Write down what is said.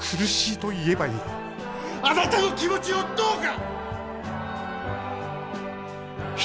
あなたの気持ちをどうか！